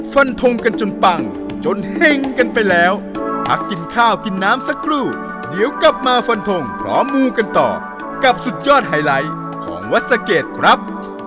ฟันทงกันจนปังจนเฮ่งกันไปแล้วพักกินข้าวกินน้ำสักครู่เดี๋ยวกลับมาฟันทงพร้อมมูกันต่อกับสุดยอดไฮไลท์ของวัดสะเกดครับ